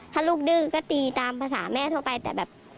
ถ้าลูกดื้อก็ตีตามภาษาแม่ทั่วไปแต่แบบ